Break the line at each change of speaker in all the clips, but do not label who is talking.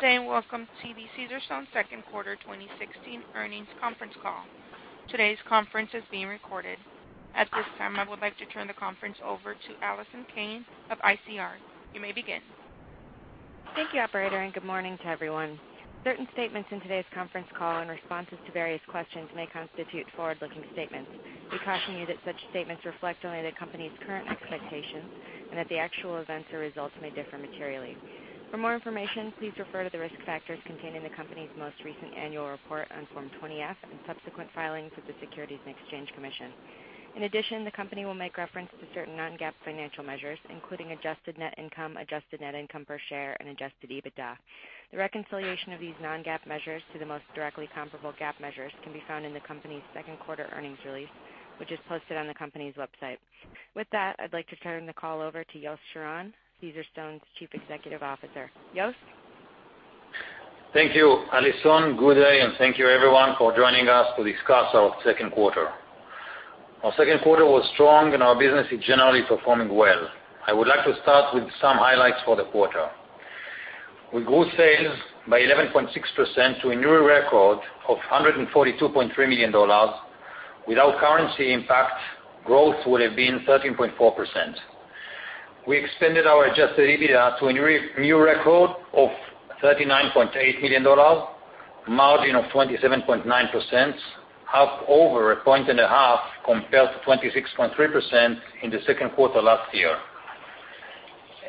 Good day, welcome to Caesarstone's second quarter 2016 earnings conference call. Today's conference is being recorded. At this time, I would like to turn the conference over to Alison Kane of ICR. You may begin.
Thank you, operator. Good morning to everyone. Certain statements in today's conference call and responses to various questions may constitute forward-looking statements. We caution you that such statements reflect only the company's current expectations and that the actual events or results may differ materially. For more information, please refer to the risk factors contained in the company's most recent annual report on Form 20-F and subsequent filings with the Securities and Exchange Commission. In addition, the company will make reference to certain non-GAAP financial measures, including adjusted net income, adjusted net income per share, and adjusted EBITDA. The reconciliation of these non-GAAP measures to the most directly comparable GAAP measures can be found in the company's second quarter earnings release, which is posted on the company's website. With that, I'd like to turn the call over to Yosef Shiran, Caesarstone's Chief Executive Officer. Yosef.
Thank you, Alison. Good day. Thank you everyone for joining us to discuss our second quarter. Our second quarter was strong. Our business is generally performing well. I would like to start with some highlights for the quarter. We grew sales by 11.6% to a new record of $142.3 million. Without currency impact, growth would've been 13.4%. We expanded our adjusted EBITDA to a new record of $39.8 million, margin of 27.9%, up over a point and a half compared to 26.3% in the second quarter last year.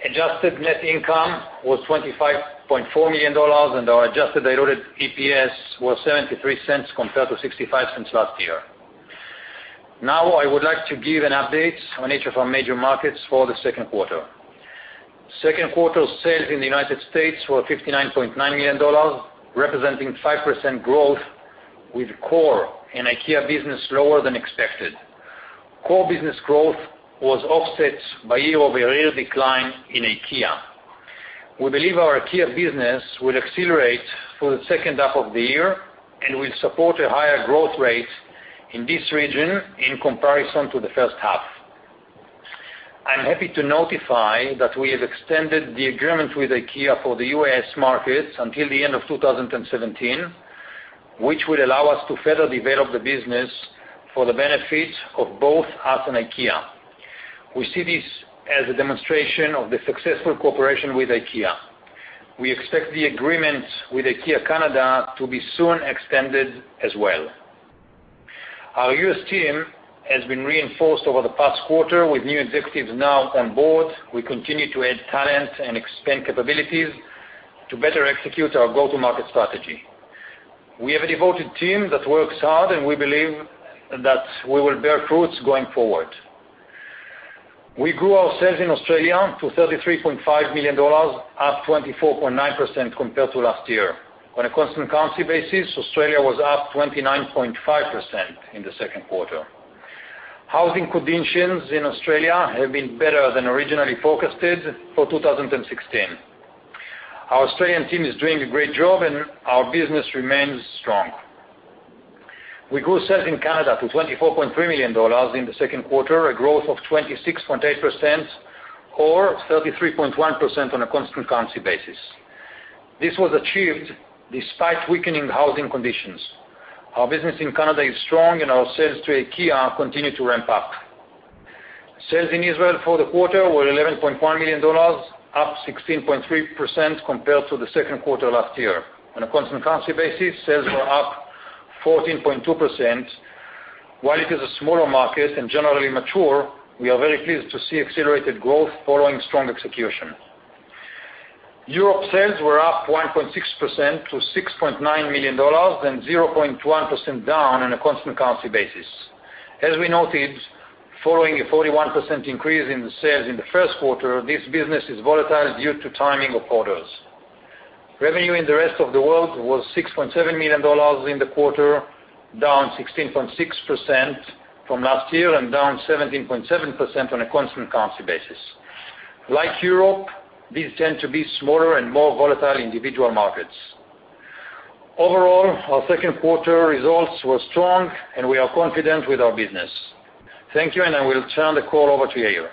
Adjusted net income was $25.4 million and our adjusted diluted EPS was $0.73 compared to $0.65 last year. I would like to give an update on each of our major markets for the second quarter. Second quarter sales in the U.S. were $59.9 million, representing 5% growth with core and IKEA business lower than expected. Core business growth was offset by a year-over-year decline in IKEA. We believe our IKEA business will accelerate for the second half of the year and will support a higher growth rate in this region in comparison to the first half. I'm happy to notify that we have extended the agreement with IKEA for the U.S. markets until the end of 2017, which will allow us to further develop the business for the benefit of both us and IKEA. We see this as a demonstration of the successful cooperation with IKEA. We expect the agreement with IKEA Canada to be soon extended as well. Our U.S. team has been reinforced over the past quarter with new executives now on board. We continue to add talent and expand capabilities to better execute our go-to-market strategy. We have a devoted team that works hard, and we believe that we will bear fruits going forward. We grew our sales in Australia to $33.5 million, up 24.9% compared to last year. On a constant currency basis, Australia was up 29.5% in the second quarter. Housing conditions in Australia have been better than originally forecasted for 2016. Our Australian team is doing a great job, and our business remains strong. We grew sales in Canada to $24.3 million in the second quarter, a growth of 26.8% or 33.1% on a constant currency basis. This was achieved despite weakening housing conditions. Our business in Canada is strong and our sales to IKEA continue to ramp up. Sales in Israel for the quarter were $11.1 million, up 16.3% compared to the second quarter last year. On a constant currency basis, sales were up 14.2%. While it is a smaller market and generally mature, we are very pleased to see accelerated growth following strong execution. Europe sales were up 1.6% to $6.9 million and 0.1% down on a constant currency basis. As we noted, following a 41% increase in the sales in the first quarter, this business is volatile due to timing of orders. Revenue in the rest of the world was $6.7 million in the quarter, down 16.6% from last year and down 17.7% on a constant currency basis. Like Europe, these tend to be smaller and more volatile individual markets. Overall, our second quarter results were strong, and we are confident with our business. Thank you, and I will turn the call over to Yair.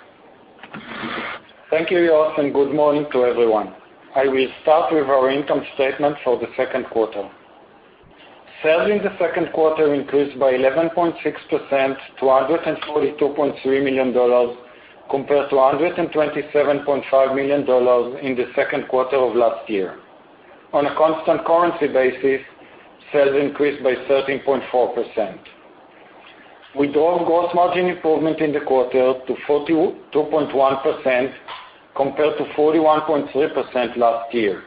Thank you, Yos, and good morning to everyone. I will start with our income statement for the second quarter. Sales in the second quarter increased by 11.6% to $142.3 million compared to $127.5 million in the second quarter of last year. On a constant currency basis, sales increased by 13.4%. We drove gross margin improvement in the quarter to 42.1% compared to 41.3% last year.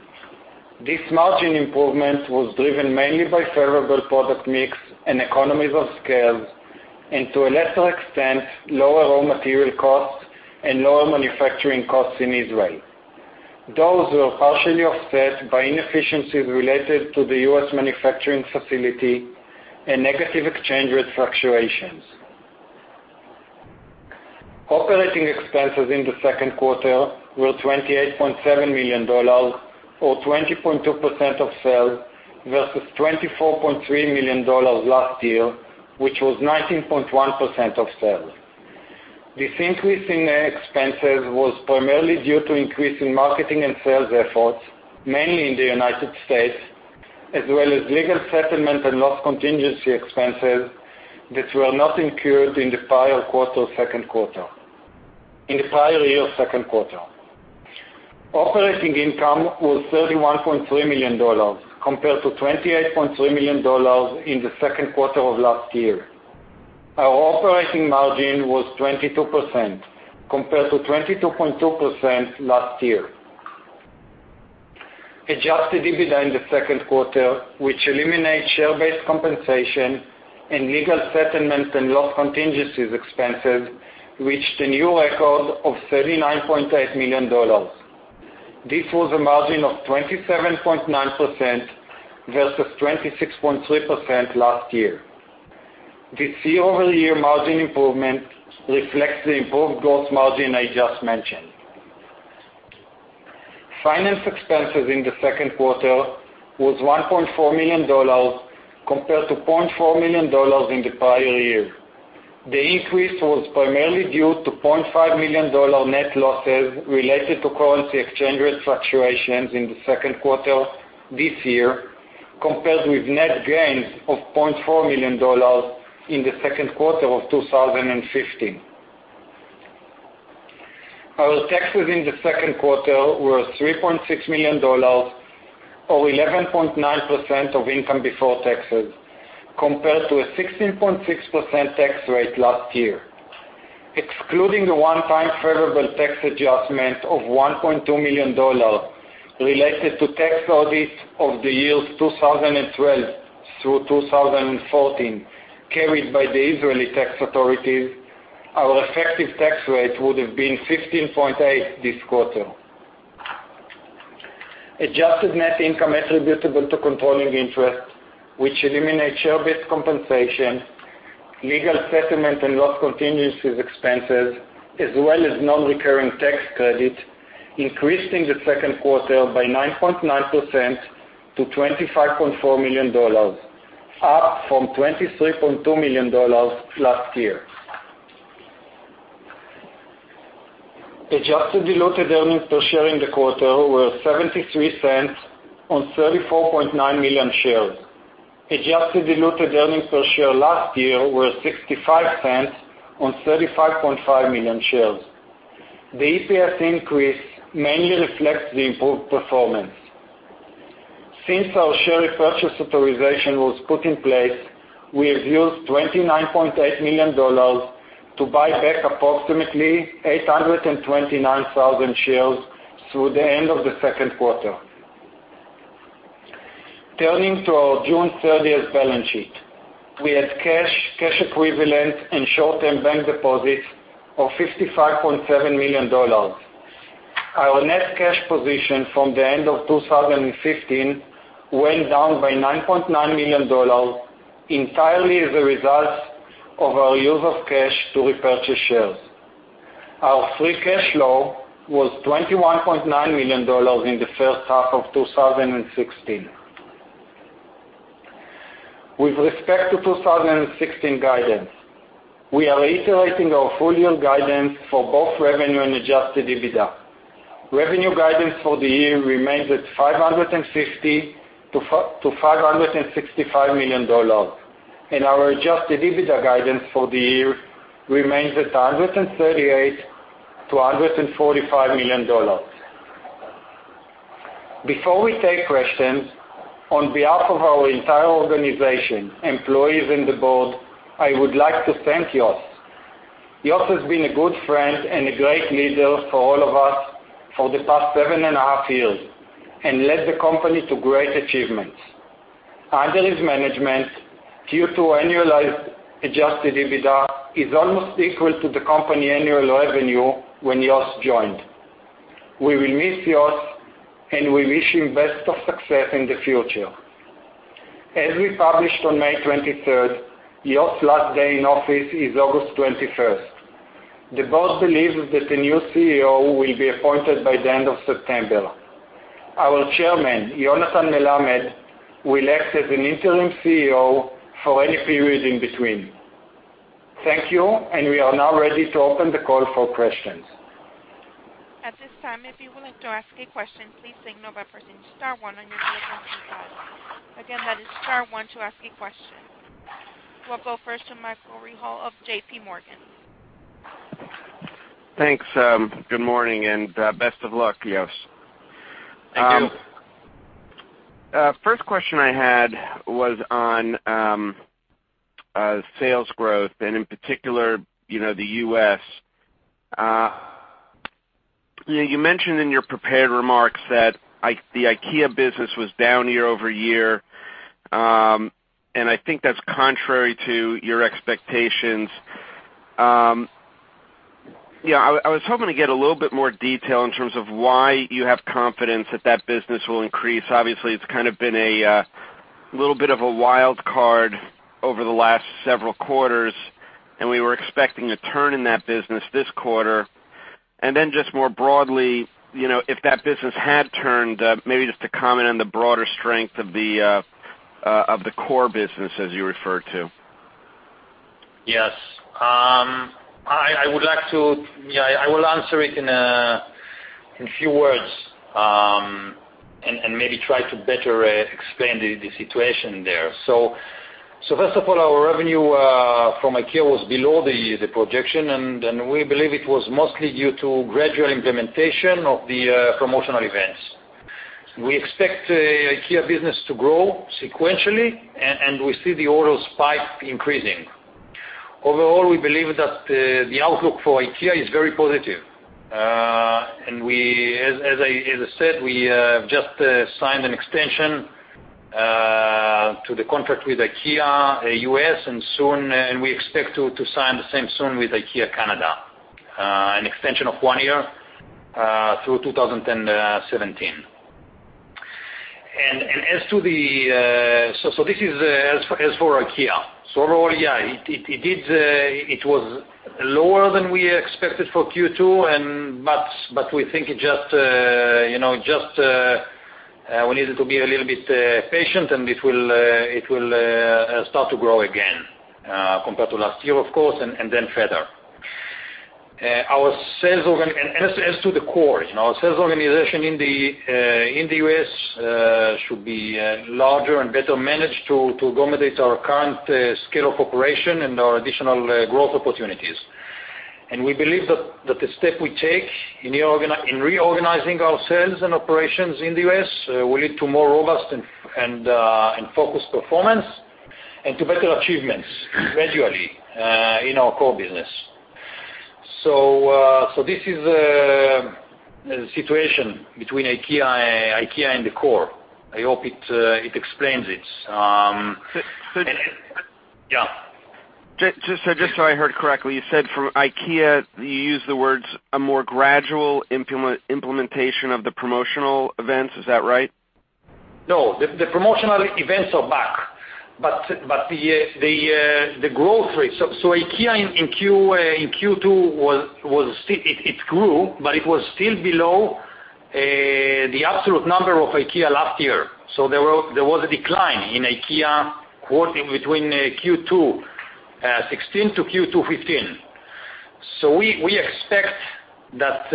This margin improvement was driven mainly by favorable product mix and economies of scale, and to a lesser extent, lower raw material costs and lower manufacturing costs in Israel. Those were partially offset by inefficiencies related to the U.S. manufacturing facility and negative exchange rate fluctuations. Operating expenses in the second quarter were $28.7 million, or 20.2% of sales versus $24.3 million last year, which was 19.1% of sales. This increase in expenses was primarily due to increase in marketing and sales efforts, mainly in the United States, as well as legal settlement and loss contingency expenses that were not incurred in the prior year's second quarter. Operating income was $31.3 million, compared to $28.3 million in the second quarter of last year. Our operating margin was 22%, compared to 22.2% last year. Adjusted EBITDA in the second quarter, which eliminates share-based compensation and legal settlements and loss contingencies expenses, reached a new record of $39.8 million. This was a margin of 27.9% versus 26.3% last year. This year-over-year margin improvement reflects the improved gross margin I just mentioned. Finance expenses in the second quarter was $1.4 million, compared to $0.4 million in the prior year. The increase was primarily due to $0.5 million net losses related to currency exchange rate fluctuations in the second quarter this year, compared with net gains of $0.4 million in the second quarter of 2015. Our taxes in the second quarter were $3.6 million or 11.9% of income before taxes, compared to a 16.6% tax rate last year. Excluding the one-time favorable tax adjustment of $1.2 million related to tax audits of the years 2012 through 2014, carried by the Israeli tax authorities, our effective tax rate would have been 15.8% this quarter. Adjusted net income attributable to controlling interest, which eliminates share-based compensation, legal settlement, and loss contingencies expenses, as well as non-recurring tax credit, increased in the second quarter by 9.9% to $25.4 million, up from $23.2 million last year. Adjusted diluted earnings per share in the quarter were $0.73 on 34.9 million shares. Adjusted diluted EPS last year were $0.65 on 35.5 million shares. The EPS increase mainly reflects the improved performance. Since our share repurchase authorization was put in place, we have used $29.8 million to buy back approximately 829,000 shares through the end of the second quarter. Turning to our June 30th balance sheet, we had cash equivalents, and short-term bank deposits of $55.7 million. Our net cash position from the end of 2015 went down by $9.9 million, entirely as a result of our use of cash to repurchase shares. Our free cash flow was $21.9 million in the first half of 2016. With respect to 2016 guidance, we are reiterating our full-year guidance for both revenue and adjusted EBITDA. Revenue guidance for the year remains at $550 million-$565 million, and our adjusted EBITDA guidance for the year remains at $138 million-$145 million. Before we take questions, on behalf of our entire organization, employees, and the board, I would like to thank Yos. Yos has been a good friend and a great leader for all of us for the past seven and a half years and led the company to great achievements. Under his management, Q2 annualized adjusted EBITDA is almost equal to the company annual revenue when Yos joined. We will miss Yos, and we wish him best of success in the future. As we published on May 23rd, Yos' last day in office is August 21st. The board believes that a new CEO will be appointed by the end of September. Our chairman, Yonathan Melamed, will act as an interim CEO for any period in between. Thank you. We are now ready to open the call for questions.
At this time, if you would like to ask a question, please signal by pressing star one on your telephone keypad. Again, that is star one to ask a question. We'll go first to Michael Rehaut of J.P. Morgan.
Thanks. Good morning, and best of luck, Yosef.
Thank you.
First question I had was on sales growth, and in particular, the U.S. You mentioned in your prepared remarks that the IKEA business was down year-over-year, and I think that's contrary to your expectations. I was hoping to get a little bit more detail in terms of why you have confidence that that business will increase. Obviously, it's kind of been a little bit of a wild card over the last several quarters, and we were expecting a turn in that business this quarter. Then just more broadly, if that business had turned, maybe just to comment on the broader strength of the core business as you referred to.
Yes. I will answer it in a few words, and maybe try to better explain the situation there. First of all, our revenue from IKEA was below the projection, and we believe it was mostly due to gradual implementation of the promotional events. We expect the IKEA business to grow sequentially, and we see the orders spike increasing. Overall, we believe that the outlook for IKEA is very positive. As I said, we have just signed an extension to the contract with IKEA U.S., and we expect to sign the same soon with IKEA Canada, an extension of one year through 2017. This is as for IKEA. Overall, yeah, it was lower than we expected for Q2, but we think we needed to be a little bit patient, and it will start to grow again, compared to last year, of course, and then further. As to the core, our sales organization in the U.S. should be larger and better managed to accommodate our current scale of operation and our additional growth opportunities. We believe that the step we take in reorganizing our sales and operations in the U.S. will lead to more robust and focused performance and to better achievements gradually in our core business. This is the situation between IKEA and the core. I hope it explains it. Yeah.
Just so I heard correctly, you said for IKEA, you used the words, a more gradual implementation of the promotional events. Is that right?
No, the promotional events are back, but the growth rate. IKEA in Q2, it grew, but it was still below the absolute number of IKEA last year. There was a decline in IKEA between Q2 2016 to Q2 2015. We expect that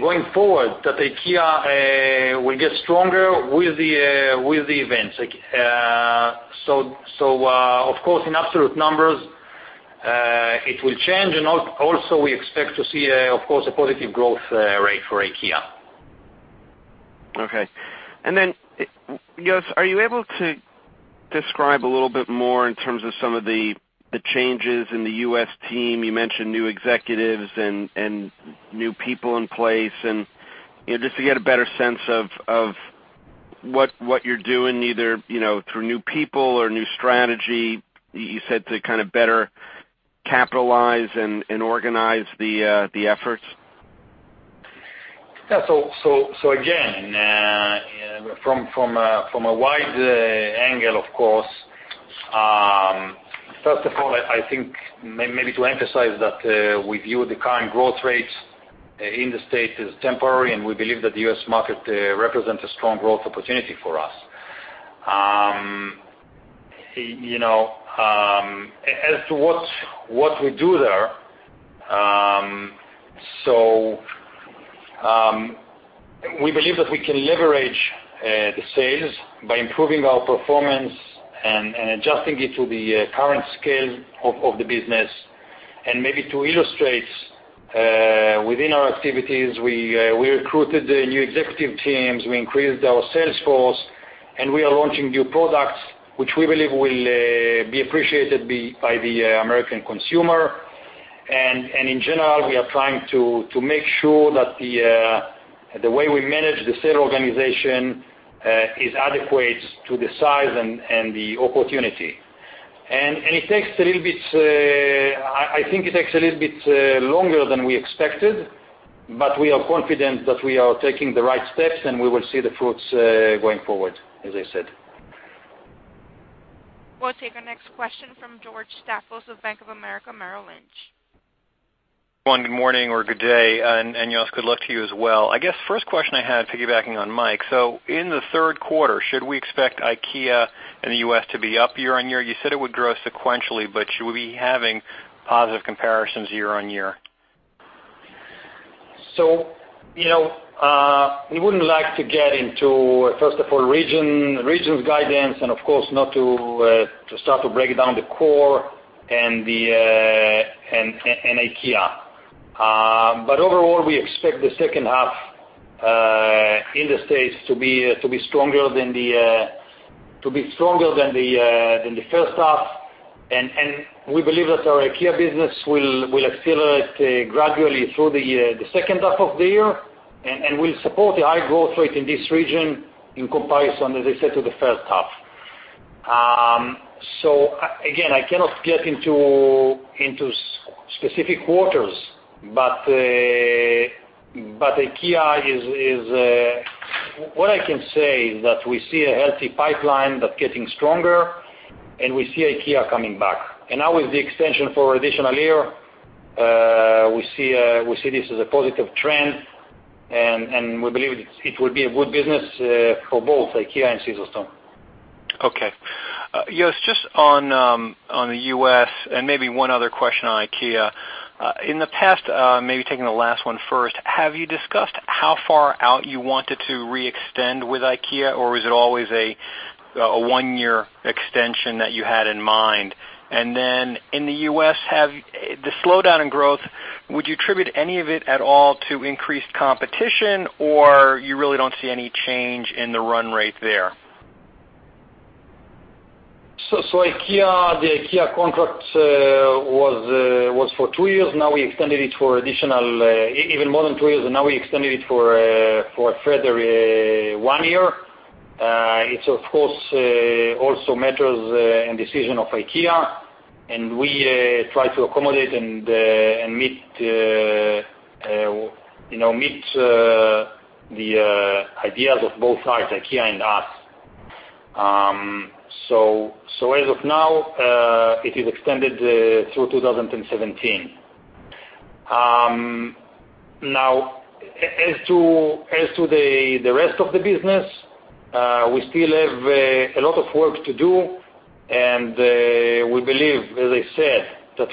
going forward, that IKEA will get stronger with the events. Of course, in absolute numbers, it will change, and also we expect to see, of course, a positive growth rate for IKEA.
Okay. Then, are you able to describe a little bit more in terms of some of the changes in the U.S. team? You mentioned new executives and new people in place, and just to get a better sense of what you're doing, either through new people or new strategy, you said to kind of better capitalize and organize the efforts.
Yeah. Again, from a wide angle, of course, first of all, I think maybe to emphasize that we view the current growth rates in the U.S. as temporary, and we believe that the U.S. market represents a strong growth opportunity for us. As to what we do there, we believe that we can leverage the sales by improving our performance and adjusting it to the current scale of the business and maybe to illustrate within our activities, we recruited new executive teams, we increased our sales force, and we are launching new products, which we believe will be appreciated by the American consumer. In general, we are trying to make sure that the way we manage the sales organization is adequate to the size and the opportunity. I think it takes a little bit longer than we expected, but we are confident that we are taking the right steps, and we will see the fruits going forward, as I said.
We'll take our next question from George Staphos with Bank of America Merrill Lynch.
One good morning or good day, and, Yos, good luck to you as well. I guess, first question I had, piggybacking on Mike. In the third quarter, should we expect IKEA in the U.S. to be up year-on-year? You said it would grow sequentially, but should we be having positive comparisons year-on-year?
We wouldn't like to get into, first of all, regions guidance and, of course, not to start to break down the core and IKEA. Overall, we expect the second half in the States to be stronger than the first half. We believe that our IKEA business will accelerate gradually through the second half of the year and will support the high growth rate in this region in comparison, as I said, to the first half. Again, I cannot get into specific quarters, but IKEA is What I can say is that we see a healthy pipeline that's getting stronger, and we see IKEA coming back. Now with the extension for additional year, we see this as a positive trend, and we believe it will be a good business for both IKEA and Caesarstone.
Okay. Yos, just on the U.S., and maybe one other question on IKEA. In the past, maybe taking the last one first, have you discussed how far out you wanted to re-extend with IKEA, or was it always a one-year extension that you had in mind? In the U.S., the slowdown in growth, would you attribute any of it at all to increased competition, or you really don't see any change in the run rate there?
IKEA, the IKEA contract was for two years. We extended it for even more than two years, and now we extended it for a further one year. It, of course, also matters in decision of IKEA, and we try to accommodate and meet the ideas of both sides, IKEA and us. As of now, it is extended through 2017. As to the rest of the business, we still have a lot of work to do, and we believe, as I said, that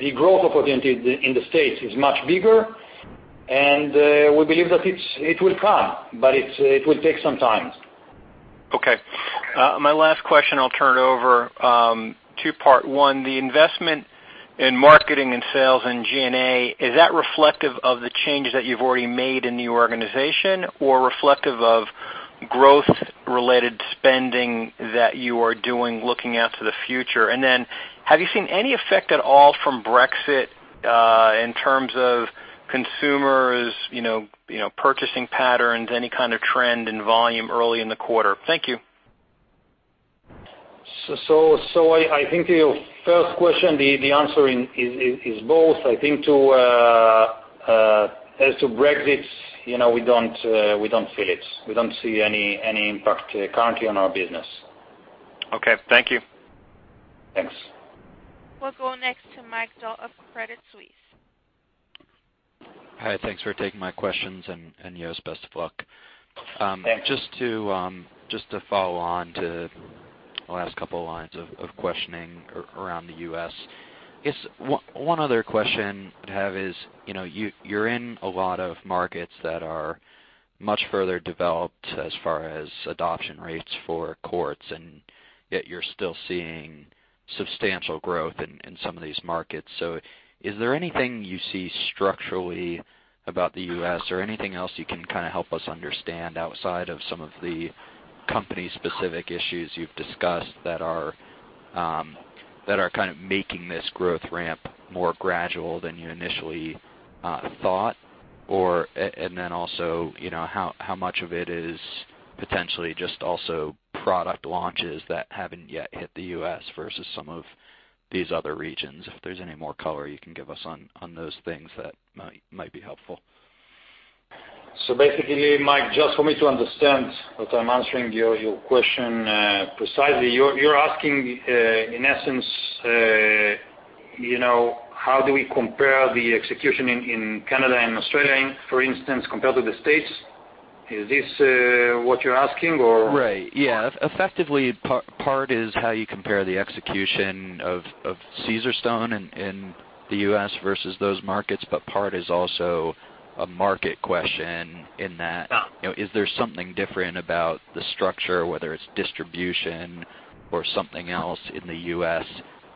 the growth opportunity in the States is much bigger, and we believe that it will come, but it will take some time.
Okay. My last question, I'll turn it over. Two-part, one, the investment in marketing and sales and G&A, is that reflective of the changes that you've already made in the organization or reflective of growth-related spending that you are doing looking out to the future? Have you seen any effect at all from Brexit, in terms of consumers, purchasing patterns, any kind of trend in volume early in the quarter? Thank you.
I think your first question, the answer is both. I think as to Brexit, we don't feel it. We don't see any impact currently on our business.
Okay. Thank you.
Thanks.
We'll go next to Mike Dahl of Credit Suisse.
Hi, thanks for taking my questions, Yos, best of luck.
Thanks.
Just to follow on to the last couple lines of questioning around the U.S. Yos, one other question I'd have is, you're in a lot of markets that are much further developed as far as adoption rates for quartz, yet you're still seeing substantial growth in some of these markets. Is there anything you see structurally about the U.S. or anything else you can kind of help us understand outside of some of the company-specific issues you've discussed that are kind of making this growth ramp more gradual than you initially thought? How much of it is potentially just also product launches that haven't yet hit the U.S. versus some of these other regions? If there's any more color you can give us on those things, that might be helpful.
Basically, Mike, just for me to understand that I'm answering your question precisely, you're asking, in essence, how do we compare the execution in Canada and Australia, for instance, compared to the U.S.? Is this what you're asking, or?
Right. Yeah. Effectively, part is how you compare the execution of Caesarstone in the U.S. versus those markets, but part is also a market question in that.
Oh
Is there something different about the structure, whether it's distribution or something else in the U.S.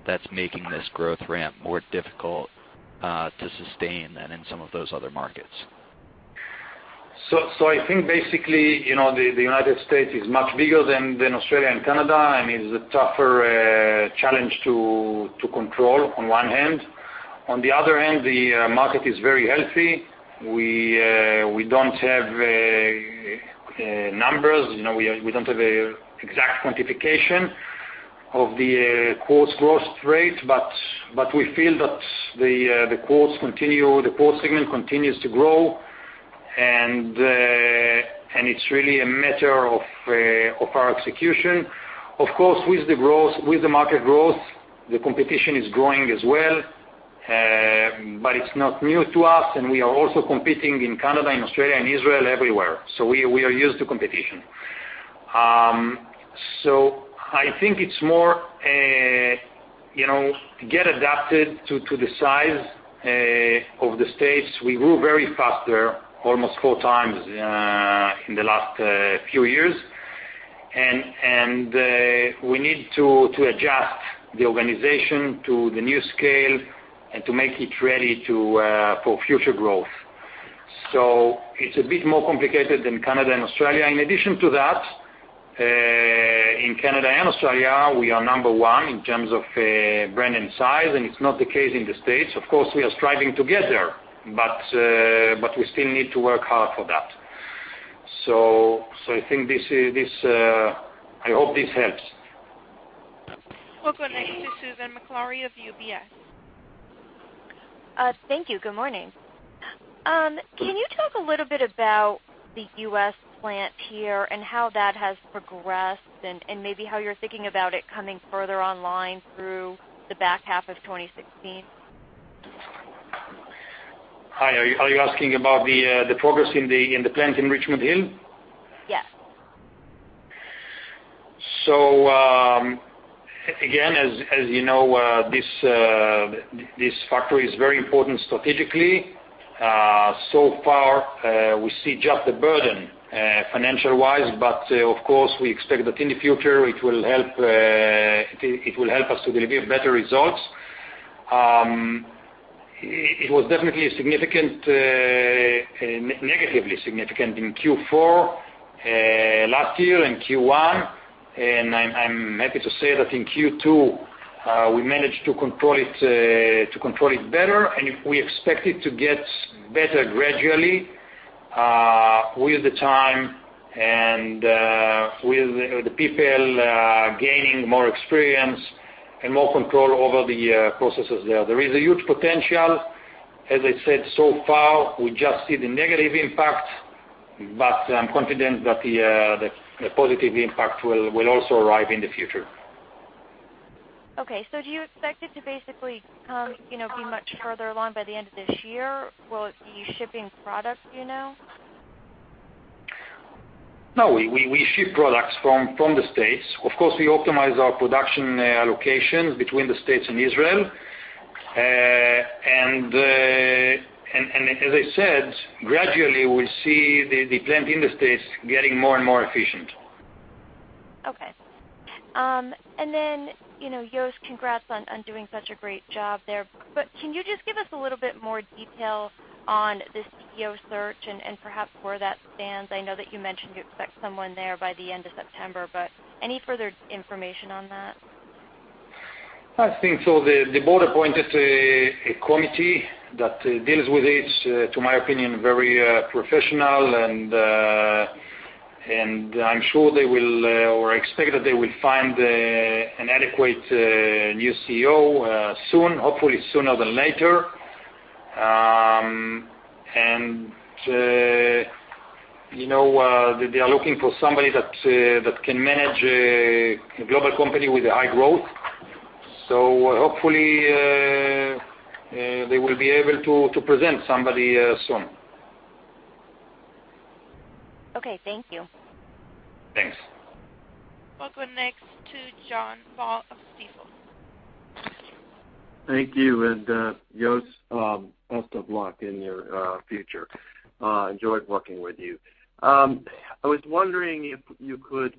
that's making this growth ramp more difficult to sustain than in some of those other markets?
I think basically, the United States is much bigger than Australia and Canada, and is a tougher challenge to control on one hand. On the other hand, the market is very healthy. We don't have numbers, we don't have an exact quantification of the quartz growth rate, but we feel that the quartz segment continues to grow, and it's really a matter of our execution. Of course, with the market growth, the competition is growing as well, it's not new to us, and we are also competing in Canada, in Australia, in Israel, everywhere. We are used to competition. I think it's more, get adapted to the size of the States. We grew very fast there, almost four times in the last few years. We need to adjust the organization to the new scale and to make it ready for future growth. It's a bit more complicated than Canada and Australia. In addition to that, in Canada and Australia, we are number 1 in terms of brand and size, and it's not the case in the States. Of course, we are striving to get there, we still need to work hard for that. I hope this helps.
We'll go next to Susan Maklari of UBS.
Thank you. Good morning. Can you talk a little bit about the U.S. plant here, and how that has progressed, and maybe how you're thinking about it coming further online through the back half of 2016?
Hi. Are you asking about the progress in the plant in Richmond Hill?
Yes.
Again, as you know, this factory is very important strategically. So far, we see just the burden financial-wise, but of course, we expect that in the future it will help us to deliver better results. It was definitely negatively significant in Q4 last year and Q1, and I'm happy to say that in Q2, we managed to control it better, and we expect it to get better gradually with time and with the people gaining more experience and more control over the processes there. There is a huge potential. As I said, so far, we just see the negative impact, but I'm confident that the positive impact will also arrive in the future.
Okay. Do you expect it to basically be much further along by the end of this year? Will you be shipping products, do you know?
No, we ship products from the States. Of course, we optimize our production allocations between the States and Israel. As I said, gradually we see the plant in the States getting more and more efficient.
Okay. Yos, congrats on doing such a great job there. Can you just give us a little bit more detail on the CEO search and perhaps where that stands? I know that you mentioned you expect someone there by the end of September, any further information on that?
I think so. The board appointed a committee that deals with it. To my opinion, very professional, I'm sure they will or expect that they will find an adequate new CEO soon. Hopefully sooner than later. They are looking for somebody that can manage a global company with high growth. Hopefully, they will be able to present somebody soon.
Okay. Thank you.
Thanks.
We'll go next to John Baugh of Stifel.
Thank you. Yos, best of luck in your future. Enjoyed working with you. I was wondering if you could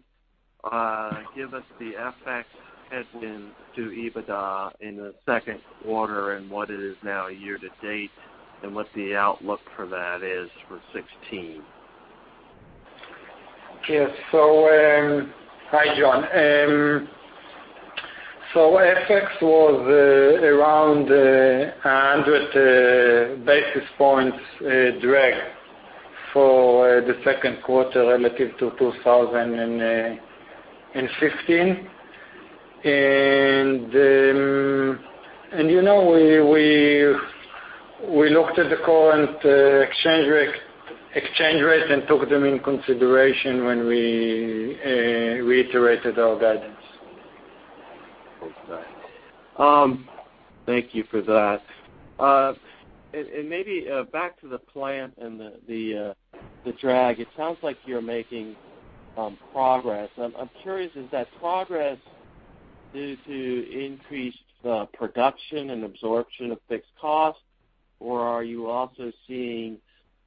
give us the FX headwind to EBITDA in the second quarter and what it is now year-to-date, and what the outlook for that is for 2016.
Yes. Hi, John. FX was around 100 basis points drag for the second quarter relative to 2015. We looked at the current exchange rate and took them into consideration when we reiterated our guidance.
Thank you for that. Maybe back to the plant and the drag, it sounds like you're making progress. I'm curious, is that progress due to increased production and absorption of fixed costs, or are you also seeing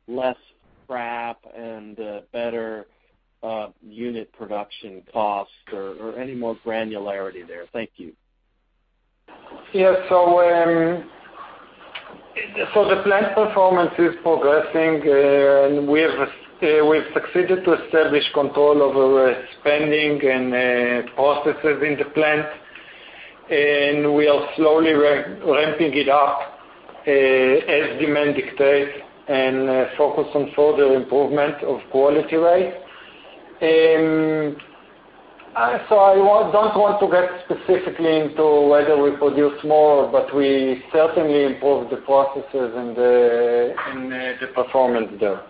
less scrap and better unit production costs, or any more granularity there? Thank you.
Yeah. The plant performance is progressing. We've succeeded to establish control over spending and processes in the plant, and we are slowly ramping it up as demand dictates and focus on further improvement of quality rate. I don't want to get specifically into whether we produce more, but we certainly improve the processes and the performance there.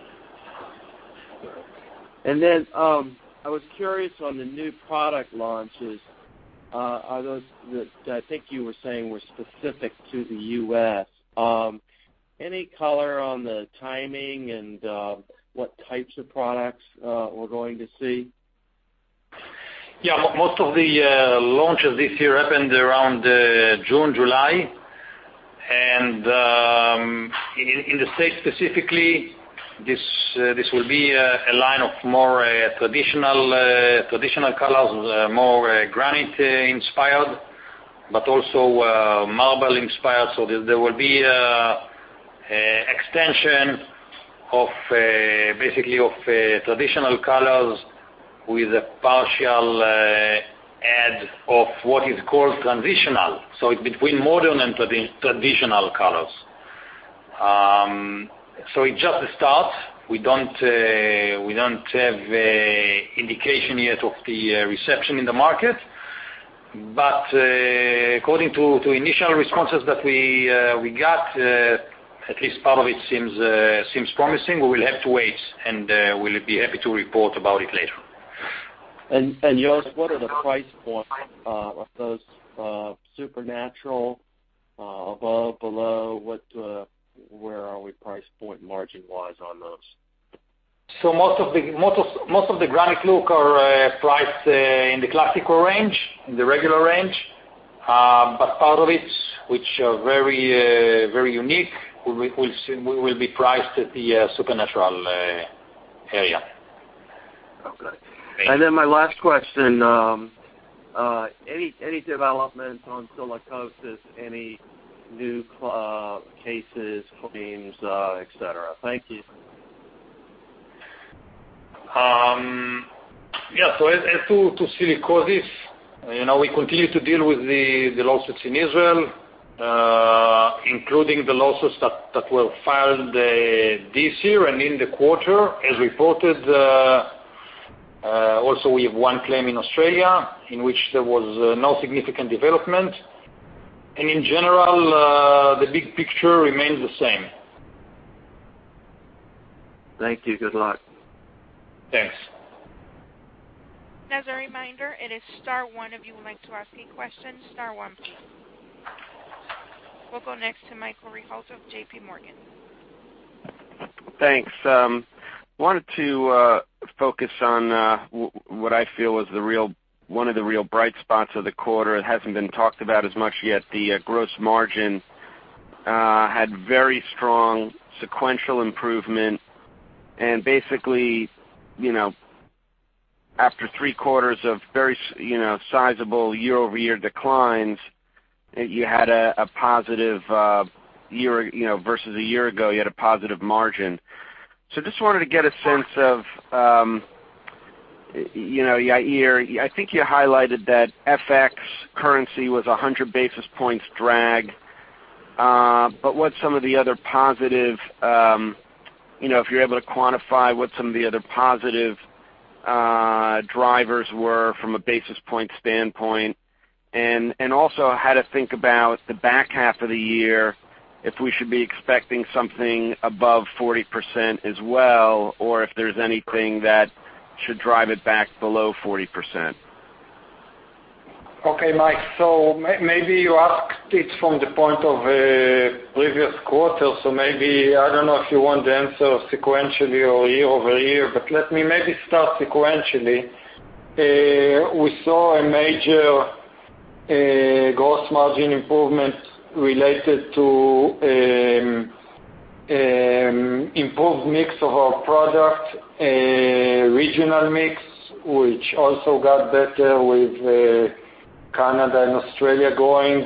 I was curious on the new product launches. Are those that I think you were saying were specific to the U.S.? Any color on the timing and what types of products we're going to see?
Most of the launches this year happened around June, July. In the States specifically, this will be a line of more traditional colors, more granite-inspired, but also marble-inspired. There will be an extension basically of traditional colors with a partial add of what is called transitional. Between modern and traditional colors. It's just a start. We don't have indication yet of the reception in the market, but according to initial responses that we got, at least part of it seems promising. We will have to wait, and we'll be happy to report about it later.
Yos, what are the price points of those Supernatural, above, below? Where are we price point margin wise on those?
Most of the granite look are priced in the classical range, in the regular range. Part of it, which are very unique, will be priced at the Supernatural area.
Okay.
Thank you.
My last question, any developments on silicosis, any new cases, claims, et cetera? Thank you.
Yeah. As to silicosis, we continue to deal with the lawsuits in Israel, including the lawsuits that were filed this year and in the quarter as reported. Also, we have one claim in Australia in which there was no significant development. In general, the big picture remains the same.
Thank you. Good luck.
Thanks.
As a reminder, it is star one if you would like to ask any questions, star one please. We'll go next to Michael Rehaut of J.P. Morgan.
Thanks. Wanted to focus on what I feel was one of the real bright spots of the quarter. It hasn't been talked about as much yet. The gross margin had very strong sequential improvement and basically, after three quarters of very sizable year-over-year declines, versus a year ago, you had a positive margin. Just wanted to get a sense of, Yair, I think you highlighted that FX currency was 100 basis points drag. If you're able to quantify what some of the other positive drivers were from a basis point standpoint, and also how to think about the back half of the year, if we should be expecting something above 40% as well, or if there's anything that should drive it back below 40%.
Okay, Mike. Maybe you asked it from the point of previous quarter. Maybe I don't know if you want the answer sequentially or year-over-year, but let me maybe start sequentially. We saw a major gross margin improvement related to improved mix of our product, regional mix, which also got better with Canada and Australia growing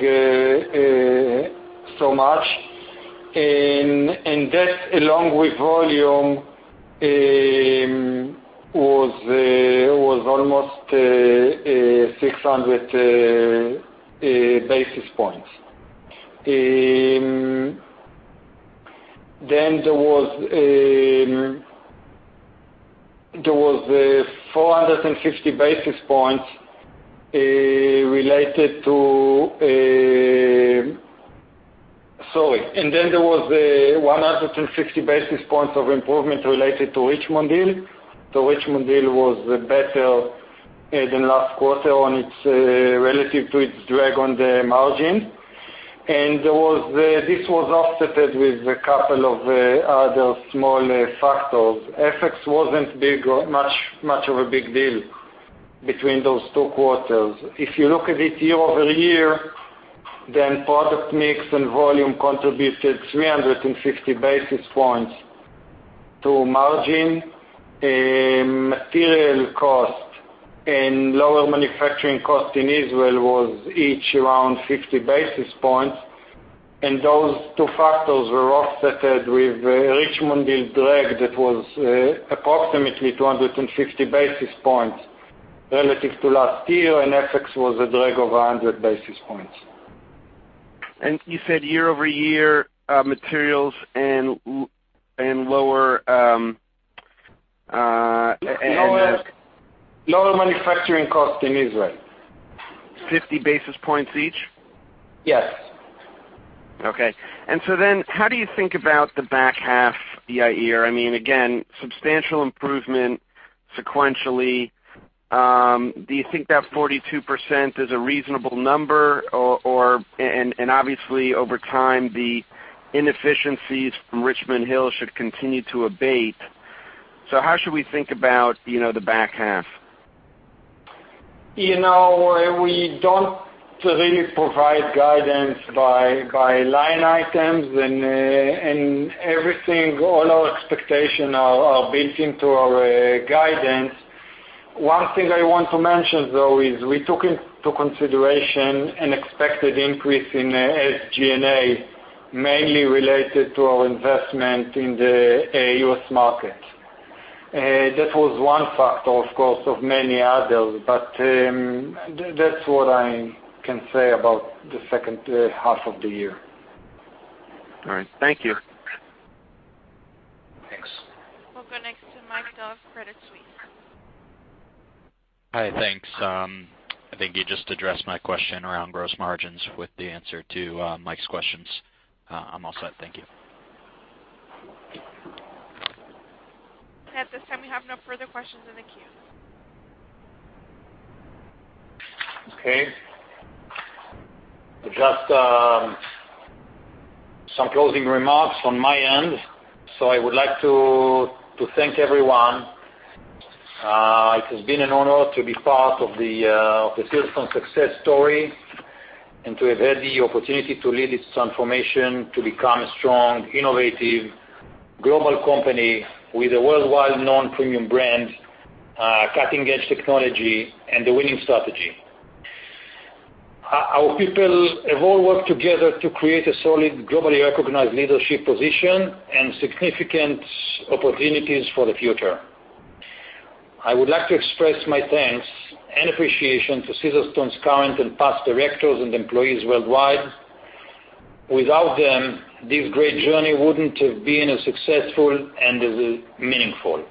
so much. That, along with volume, was almost 600 basis points. There was 450 basis points related to Sorry. There was 150 basis points of improvement related to Richmond Hill. The Richmond Hill was better than last quarter on its relative to its drag on the margin. This was offset with a couple of other small factors. FX wasn't much of a big deal between those two quarters. If you look at it year-over-year, product mix and volume contributed 350 basis points to margin, material cost, and lower manufacturing cost in Israel was each around 50 basis points. Those two factors were offset with Richmond Hill drag that was approximately 250 basis points relative to last year, FX was a drag of 100 basis points.
You said year-over-year materials and lower-
Lower manufacturing cost in Israel.
50 basis points each?
Yes.
Okay. How do you think about the back half, Yair? Again, substantial improvement sequentially. Do you think that 42% is a reasonable number? Obviously over time, the inefficiencies from Richmond Hill should continue to abate. How should we think about the back half?
We don't really provide guidance by line items, all our expectations are built into our guidance. One thing I want to mention, though, is we took into consideration an expected increase in SG&A, mainly related to our investment in the U.S. market. That was one factor, of course, of many others. That's what I can say about the second half of the year.
All right. Thank you.
Thanks.
We'll go next to Mike Dahl of Credit Suisse.
Hi, thanks. I think you just addressed my question around gross margins with the answer to Mike's questions. I'm all set. Thank you.
At this time, we have no further questions in the queue.
Okay. Just some closing remarks on my end. I would like to thank everyone. It has been an honor to be part of the Caesarstone success story, and to have had the opportunity to lead its transformation to become a strong, innovative, global company, with a worldwide known premium brand, cutting-edge technology, and a winning strategy. Our people have all worked together to create a solid, globally recognized leadership position and significant opportunities for the future. I would like to express my thanks and appreciation to Caesarstone's current and past directors and employees worldwide. Without them, this great journey wouldn't have been as successful and as meaningful.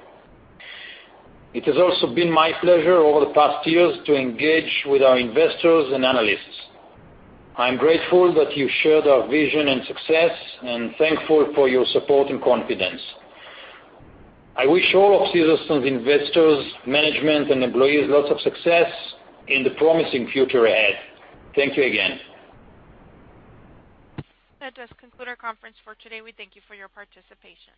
It has also been my pleasure over the past years to engage with our investors and analysts. I'm grateful that you shared our vision and success, and thankful for your support and confidence. I wish all of Caesarstone's investors, management, and employees lots of success in the promising future ahead. Thank you again.
That does conclude our conference for today. We thank you for your participation